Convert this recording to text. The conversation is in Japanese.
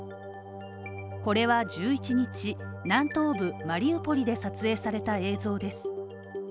これは１１日、南東部マリウポリで撮影された映像です。